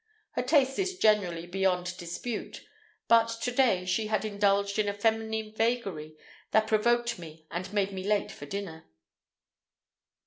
Her taste is generally beyond dispute, but to day she had indulged in a feminine vagary that provoked me and made me late for dinner.